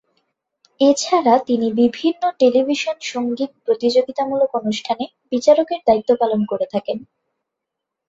এছাড়া তিনি বিভিন্ন টেলিভিশন সঙ্গীত প্রতিযোগিতামূলক অনুষ্ঠানে বিচারকের দায়িত্ব পালন করে থাকেন।